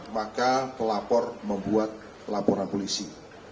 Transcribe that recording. maka pelapor membuat laporan polisi